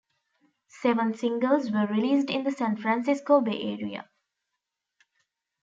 Seven singles were released in the San Francisco Bay area.